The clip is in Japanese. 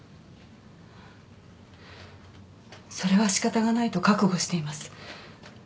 それは仕方がないと覚悟しています。